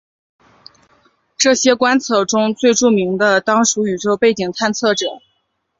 这些观测中最著名的当属宇宙背景探测者。